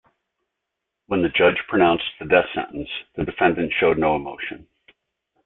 When the judge pronounced the death sentence, the defendant showed no emotion.